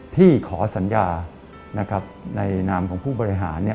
ที่ขอสัญญาในนามของผู้บริหาร